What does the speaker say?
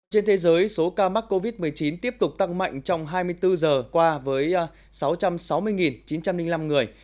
trên thế giới số ca mắc covid một mươi chín tiếp tục tăng mạnh trong hai mươi bốn giờ qua với sáu trăm sáu mươi chín trăm linh năm người